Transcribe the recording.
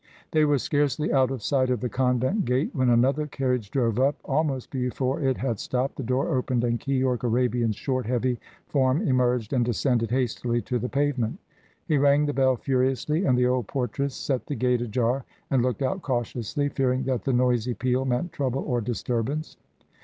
They were scarcely out of sight of the convent gate when another carriage drove up. Almost before it had stopped, the door opened and Keyork Arabian's short, heavy form emerged and descended hastily to the pavement. He rang the bell furiously, and the old portress set the gate ajar and looked out cautiously, fearing that the noisy peal meant trouble or disturbance.